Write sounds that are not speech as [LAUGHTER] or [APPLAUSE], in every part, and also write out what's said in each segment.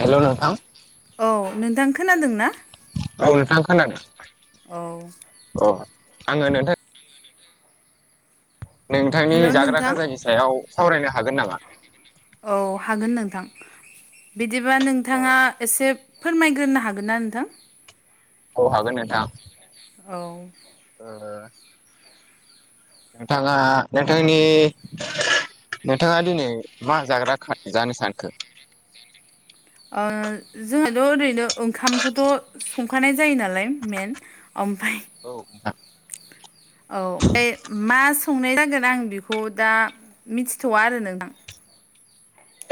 हेल' नोंथां। औ नोंथां खोनादों ना? औ नोंथां खोनादों। औ अह आङो नोंथां नोंथांनि हेलौ जाग्रा नोंथां खाजानि सायाव सावरायनो हागोन नामा? औ हागोन नोंथां बिदिबा अ नोंथाङा एसे फोरमायग्रोनो हागोन ना नोंथां? औ हागोन नोंथां। औ ओ नोंथाङा नोंथांनि नोंथाङा दिनै मा जाग्रा जानो सानखो? ओ जोंहाथ' ओरैनो ओंखामखौथ' संखानाय जायो नालाय मेन ओमफाय औ नोंथां। औ ओम बे मा संनाय जागोन आं बेखौ दा मिथिथ'आ आरो नोंथां।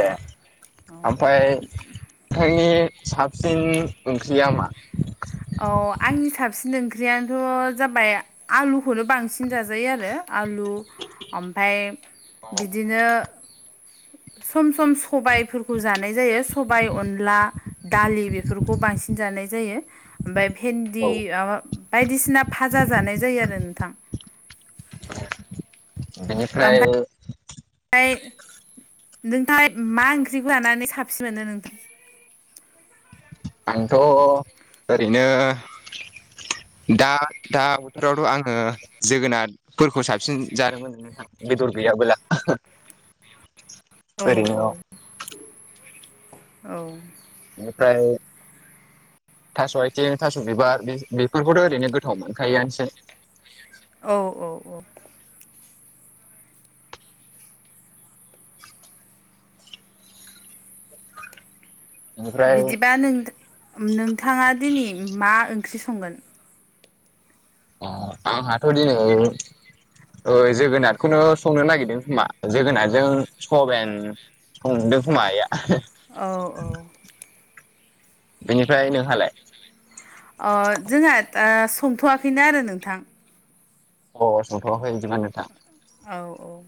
एह ओमफाय नोंथांनि साबसिन ओंख्रिया मा? अह आंनि साबसिन ओंख्रियानोथ' जाबाय आलुखौनो बांसिन जाजायो आरो। आलु ओमफाय बिदिनो सम-सम सबायफोरखौ जानाय जायो सबाइ अनला दालि बेफोरखौ बांसिन जानाय जायो। ओमफाय भेन्दि औ माबा बायदिसिना भाजा जानाय जायो आरो नोंथां। बिनिफ्राय ओमफ्राय नोंथां मा ओंख्रि जानानै साबसिन मोनो नोंथां? आंथ' ओरैनो दा दा बोथोरावथ' आङो जोगोनारफोरखौ साबसिन जानो मोनो नोंथां बेदर गैयाबोला ओरैनो औ। औ बिनिफ्राय थास' आथिं थास' बिबार बेफोरखौथ' ओरैनो गोथाव मोनखायोआनोसै औ औ औ। बेनिफ्राय बिदिबा नों नोंथाङा दिनै मा ओंख्रि संगोन? अ आं हाथदिनै ओ जोगोनारखौनो संनो नागिरदों खोमा जोगोनारजों सभेन सन्दों खोमा आइआ औ औ बिनिफ्राय नोंहालाय? अह जोंहा दा संथ'वाखैनो आरो नोंथां। अ संथ'आखै बिदिबा नोंथां? औ औ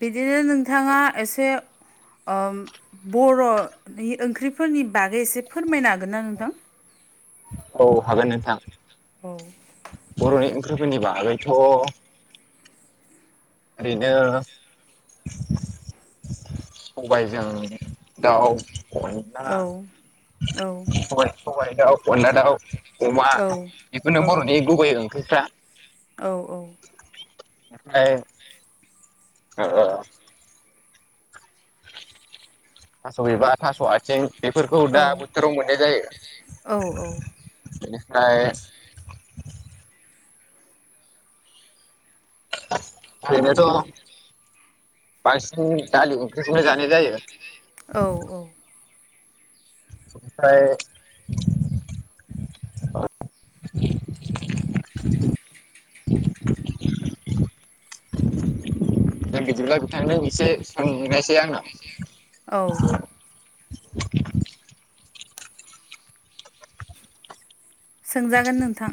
बिदिनो नोंथाङा एसे ओ बर'नि ओंख्रिफोरनि बागै एसे फोरमायनो हागोन ना नोंथां? औ हागोन नोंथां। औ। बर'नि ओंख्रिफोरनि बागैथ' बिनो सबायजों दाउ औ औ [UNINTELLIGIBLE] सबायाइ दाउ अनला दाउ अमा औ बेखौनो औ बर'नि गुबै ओंख्रिफ्रा औ आमफ्राय ओ थास' बिबार थास' आथिं बेफोरखौ दा बोथोराव मोननाय जायो। औ बेनिफ्राय ओरैनोथ' बांसिन दालि ओंख्रिखौनो जानाय जायो। औ औ। आमफ्राय दा बिदिब्ला बिथांनो एसे सोंनायसै आंनाव औ। सोंजागोन नोंथां।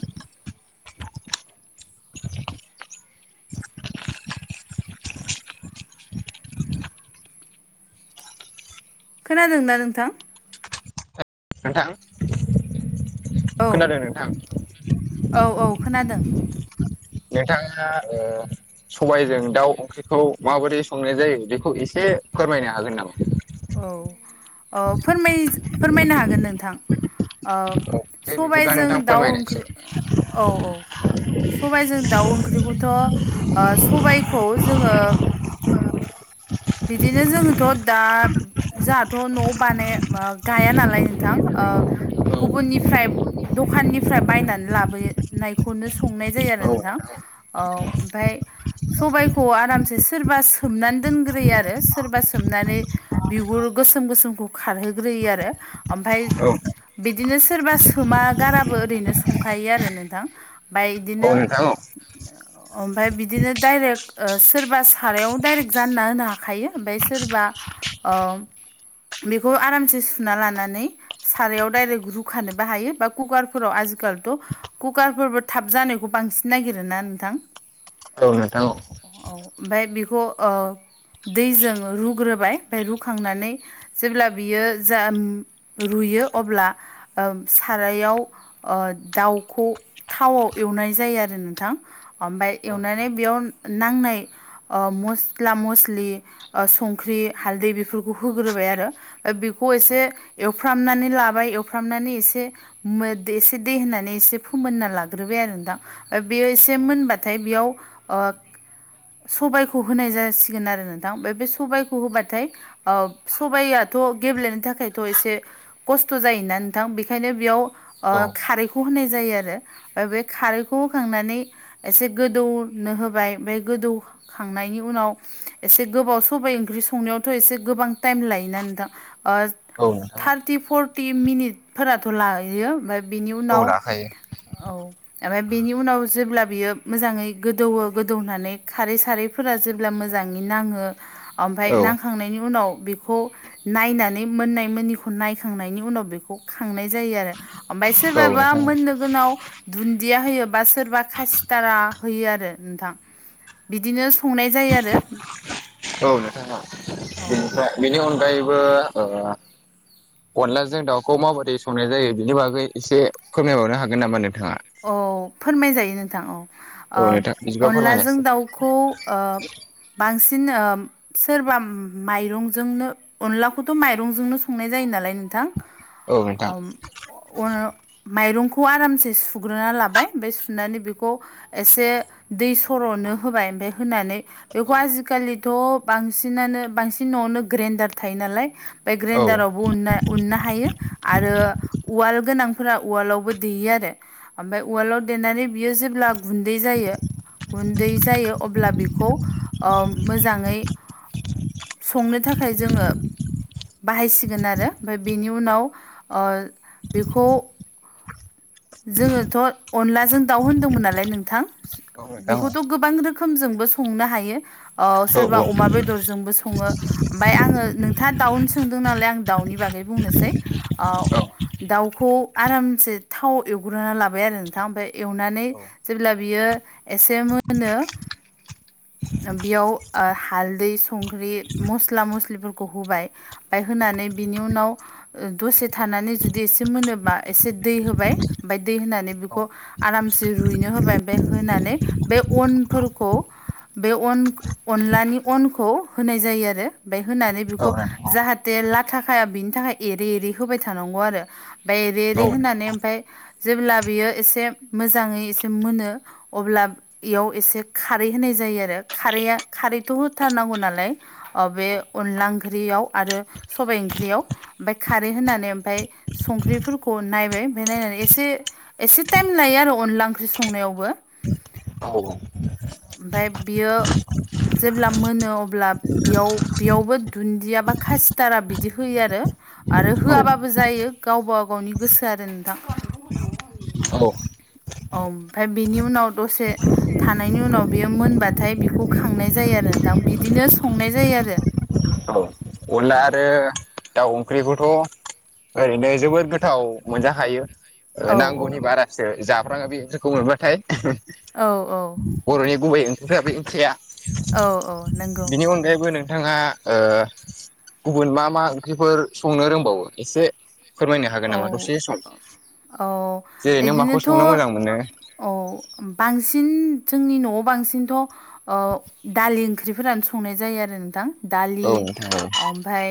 खोनादोंना नोंथां? नोंथां औ खोनोनादों नोंथां। औ औ खोनादों नोंथाङा ओ सबायजों दाउ ओंख्रिखौ माबोरै संनाय जायो बेखौ एसे फोरमायनो हागोन नामा? औ ओ फोरमाय फोरमायनो हागोन नोंथां। ओ दे बिदिब्ला सबायजों नोंथां दाउ फोरमायनायसै ओंख्रि औ औ। सबायाइजों दाउ ओंख्रिखौथ' ओ सबायखौ जोङो बिदिनो जोङोथ' दा जोंहाथ' न'आव बानाय ओ गाया नालाय नोंथां ओ गुबुननिफ्राय दखाननिफ्राय बायनानै लाबोनायखौनो संनाय जायो आरो औ नोंथां। औ ओमफ्राय सबायखौ आरामसे सोरबा सोमनानै दोनगोन ग्रोयो आरो सोरबा सोमनानै बिगुर गोसोम गोसोमखौ खारहोग्रोयो आरो ओमफ्राय औ बिदिनो सोरबा सोमा गाराबो ओरैनो संखायो आरो नोंथां। ओमफ्राय औ इदिनो नोंथां औ ओमफ्राय बिदिनो डाइरेक्ट ओ सोरबा सारायाव डाइरेक्ट जाना होना हाखायो ओमफ्राय सोरबा ओ बेखौ आरामसे सुना लानानै सारायाव डाइरेक्ट रुखानोबो हायो बा कुकारफोराव आजिखालिथ' कुकारफोरबो थाब जानायखौ बांसिन नागिरोना नोंथां। औ नोंथां औ औ ओमफाय बेखौ ओ दैजों रुग्रोबाय ओमफाय रुखांनानै जेब्ला बियो जा रुयो अब्ला ओ सारायाव ओ दाउखौ थावाव एवनाय जायो आरो नोंथां। ओमफाय औ एवनानै नोंथां बेयाव नांनाय ओ मस्ला म स्लि ओ संख्रि हालदै बेफोरखौ होग्रोबाय आरो। बेखौ एसे औ एवफ्रामनानै लाबाय एवफ्रामनानै एसे मो एसे दै होननानै एसे फोमोनना लाग्रोबाय आरो दा। बेयो एसे मोनबाथाय बेयाव ओ सबायाइखौ होनाय जासि गोन आरो नोंथां ओमफाय बे सबायखौ होबाथाय ओ सबाइआथ' गेब्लेनो थाखायथ' एसे खस्थ' जायोना नोंथां बेनिखायनो बेयाव ओ औ खारै खौ होनाय जायो आरो ओ बे खारैखौ होखांनानै एसे गोदौनो होबाय बे गोदौखांनायनि उनाव एसे गोबाव सबाइ ओंख्रि संनायावथ' एसे गोबां टाइम लायोना नोंथां ओ औ नोंथां औ थार्टि फरटि मिनिटफोराथ' लायो ओमफाय बेनि औ उनाव लाखायो औ। ओमफाय बेनि उनाव जेब्ला बियो मोजाङै गोदौवो गोदौनानै खारै सारैफोरा जे ब्ला मोजाङै नाङो ओमफाय औ नां खांनायनि उनाव बेखौ नायनानै मोननाय मोननिखौ नायखांनायनि उनाव बेखौ खांनाय जायो आरो ओमफाय औ सोरबाबा नोंथां औ मोननो गोनाव दुन्दिया होयो बा सोरबा खासिथारा होयो आरो नोंथां। बिदिनो संनाय जायो आरो। औ नोंथां औ औ बेनिफ्राय बेनि अनगायैबो ओ अनलाजों दाउखौ माबोरै संनाय जायो बिनि बागै एसे फोरमायबावनो हागोन नामा नोंथाङा? औ फोरमाय जायो नोंथां औ औ नोंथां बिदिबा ओ अनलाजों फोरमायनायसै दाउ खौ ओ बांसिन ओ सोरबा माइरंजोंनो अनलाखौथ' माइरंजोंनो संनाय जायो नालाय नोंथां। औ नोंथां ओम अन मायरंखौ आरामसे सु सुग्रोना लाबाय ओमफाय सुनानै बेखौ एसे दै सर'नो होबाय ओमफाय होनानै बेखौ औ आजिखालिथ' बांसिनानो बांसिन न'आवनो ग्रेन्डार थायो नालाय बे औ नोंथां औ ग्रेनदारावबो उननो उननो हायो आरो उवाल गोनांफोरा उवालावबो देयो आरो। ओमफाय उवालाव देनानै बियो जेब्ला गुन्दै जायो गुन्दै जायो अब्ला बेखौ ओ मोजाङै संनो थाखाय जोङो बाहायसिगोन आरो ओमफाय बेनि उनाव ओ बेखौ जोङोथ' अनलाजों दाउ होनदोंमोन नालाय नोंथां औ नोंथां औ बेखौथ' गोबां रो खोमजोंबो संनो हायो ओ औ सोरबा अमा बेदरजोंबो सङो। ओमफाय आङो नोंथाङा दाउनि सोंदों नालाय आं दाउनि बागै बुंनोसै। औ दाउखौ आरामसे थाव एवग्रोना लाबाय आरो नोंथां ओमफाय एवनानै जेब्ला बियो एसे मोनो बेयाव ओ हालदै संख्रि मस्ला मस्लिफोरखौ होबाय ओमफाय होनानै बिनि उनाव दसे थानानै जुदि एसे मोनोबा एसे दै होबाय ओमफाय दै होनानै बेखौ आरामसे रुइनो होबाय बे होनानै बे अनफोरखौ बे अन अनलानि अनखौ होनाय जायो आरो ओमफाय होनानै बेखौ जाहाथे लाथाखाया बिनि थाखाय एरै एरै होबाय थानांगौ आरो। ओमफाय एरि एरि औ औ होनानै ओमफाय जेब्ला बियो एसे मोजाङै एसे मोनो अब्ला इयाव एसे खारै होनाय जायो आरो खारैया खारैथ' होथारनांगौ नालाय अ बे अनला ओंख्रियाव आरो सबाइ ओंख्रियाव ओमफफ्राय खारै होनानै ओमफफ्राय संख्रिफोरखौ नायबाय ओमफफ्राय नायनानै एसे एसे टाइम लायो आरो अनला ओंख्रि संनायावबो ओमफफ्राय बियो जेब्ला मोनो अब्ला बेयाव बेयावबो दुन्दिया बा खासिथारा बिदि होयो आरो आरो होआबाबो जायो गावबा गावनि गोसो आरो नोंथां। औ ओमफ्राय बिनि उनाव दसे थानायनि उनाव बेयो मोनबाथाय बेखौ खांनाय जायो आरो नोंथां बिदिनो संनाय जायो आरो औ अनला आरो दाउ ओंख्रिखौथ' ओरैनो जोबोद गोथाव मोनजाखायो औ ओ नांगौनि बारासो जाब्रांङाबो एसे खमैबाथाय औ औ बर'नि गुबै ओंख्रिफ्राबै ओंख्रिया औ औ नंगौ बिनि अनगायैबो नोंथाङा ओ गुबुन मा मा ओंख्रिफोर संनो रोंबावो एसे फोरमायनो हागोन औ नामा दसे सम औ जेरै नों माखौ संनो इदिनोथ' मोजां मोनो औ बांसिन जोंनि न'आव बांसिनथ' ओ दालि ओंख्रिफोरानो संनाय जायो आरो नोंथां दालि औ नोंथां औ ओमफफ्राय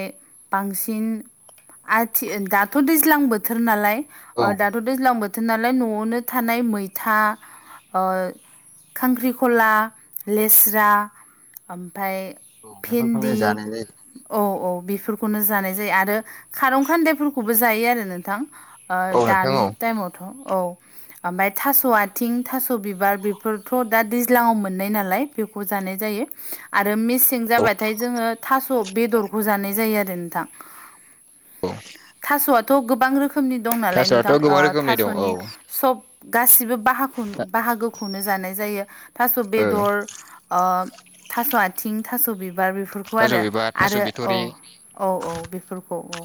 बांसिन आथि दाथ दाथ' दैज्लां बोथोर नालाय औ दाथ' दैज्लां बोथो- थोर नालाय न'आवनो थानाय मैथा खांख्रिखला लेस्रा ओमफ्राय औ बेफोरखौनो भिन्दि जानाय जायो औ औ बेफोरखौनो जानाय जायो आरो खारं खान्दायफोरखौ खौबो जायो आरो नोंथां औ नोंथां दानि औ टाइमावथ' औ ओमफाय थास' आथिं थास' बिबार बेफोरथ' दा दैज्लाङाव मोननाय नालाय बेखौ जानाय जायो आरो मेसें जाबाथाय जोङो थास' बेदरखौ जानाय जायो आरो नोंथां औ थास'आथ' गोबां रोखोमनि दं नालाय थास'आथ' नोंथां ओ गोबां रोखोमनि दं औ थास'नि सब गासिबो बाहाखनो बाहागोखौनो जानाय जायो थास' ओ बेदर अ थास' आथिं थास' बिबार बेफोरखौ थास' आरो बिबार थास' आरो अ बिथ'रि औ औ बेफोरखौ औ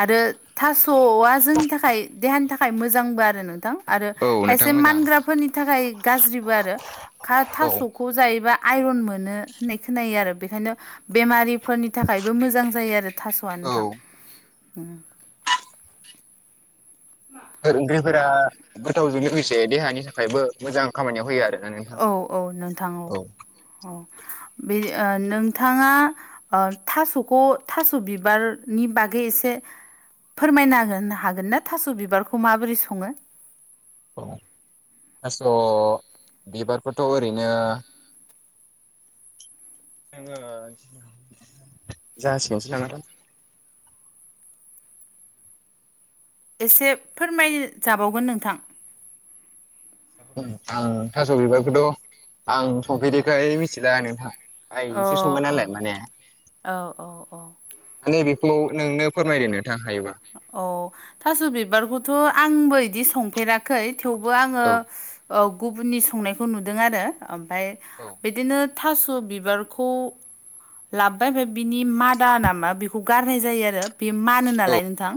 आरो थास'आ जोंनि थाखाय देहानि थाखाय मोजांबो आरो नोंथां आरो औ नोंथां खायसे मोजां मानग्राफोरनि थाखाय गाज्रिबो आरो औ थास' जायोबा आइरन मोन होननाय खोनायो आरो बेनिखायनो बेमफोरनि थाखायबो मोजां जायो आरो थास'आ नोथां बेफोर फोर ओंख्रिफोरा गोथावजों लोगोसे देहानि थाखायबो मोजां खामानियाव होयो आरो औ औ नोंथां औ औ बे ओ नोंथाङा ओ थास'खौ थास' बिबारनि बागै एसे फोरमायना हागोन हागोनना थास' बिबारखौ माबोरै सङो औ दास' बिबारखौथ' ओरैनो जोङो जाहासिनसैनामा नोंथां एसे फोरमायजाबावगोन नोंथां आं थास' बिबारखौथ' आं संफेरेरिखाय मिथिला नोंथाङा ओइ अ ओंख्रि सङो अ नालाय माने औ औ औ माने बेखौ नोंनो फोरमायदो नोंथां हायो अ थास' बिबारखौथ' आंबो बिदि संफेरा- खै थेवबो आङो औ ओ गुबुननि संनायखौ नुदों आरो ओमफफ्राय औ बिदिनो थास' बिबारखौ लाबोबाय ओमफ्राय बिनि मादा नामा बेखौ गारनाय जायो आरो बे मानो नालाय थां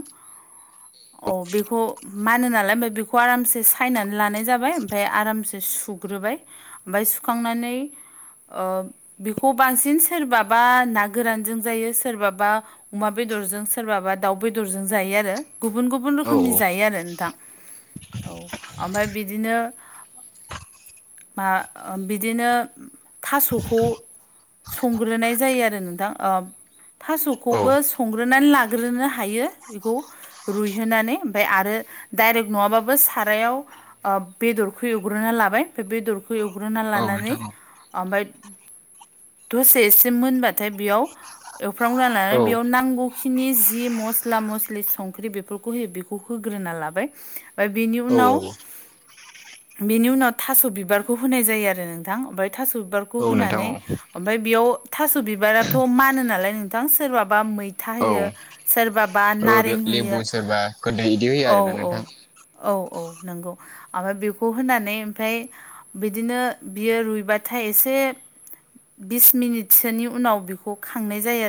औ बेखौ मानो नालाय ओमफाय बेखौ आरामसे सायनानै लानाय जाबाय ओमफय आरामसे सुग सुग्रोबाय ओमफाय सुखांनानै ओ बेखौ बांसिन सोरबाबा ना गोरानजों जायो सोरबाबा अमा बेदरजों सोरबाबा दाउ बेदरजों जायो आरो गुबुन गुबुन औ रोखोमनि जायो आरो नोंथां औ ओमफय बिदिनो बा अ बिदिनो थास'खौ संग्रोनाय जायो आरो नोंथां ओ औ थास'खौबो संग्रोनानै लाग्रोनो हायो बेखौ रुइहोनानै ओमफ्राय आरो डाइरेक्ट नङाबाबो सारायाव ओ बेदरखौ एवग्रोना लाबाय फाय बेदरखौ एवग्रोना औ लानानै नोंथां औ ओमफ्राय दसेसेम मोनबाथाय बेयाव एवफ्राग्रोनानै बेयाव नांगौखिनि जि मस स्ला मस्लि संख्रि बेफोरखौ होयो बेखौ होग्रोना लाबाय ओमफ्राय बेनि औ उनाव औ बेनि उनाव थास' बिबारखौ होनाय जायो आरो नोंथां ओमफ्राय थास' बिबारखौ औ नोंथां होनानै औ ओमफाय बेयाव थास' बिबाराथ' मानो नालाय नोंथां सोरबाबा मैथा औ। होयो सोरबा बा ओ बे नारें लेबु होयो सोरबा खोरदै इदि होयो औ आरोना नोंथां औ औ औ नंगौ ओमफाय बेखौ होनानै ओमफाय बिदिनो बियो रुइबाथाय एसे बिस मिनिटसोनि उनाव बेखौ खांनाय जायो